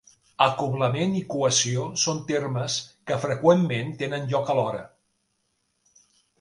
Acoblament i cohesió són termes que freqüentment tenen lloc alhora.